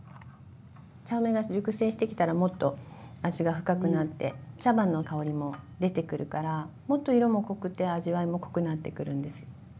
茶梅が熟成してきたらもっと味が深くなって茶葉の香りも出てくるからもっと色も濃くて味わいも濃くなってくるんです。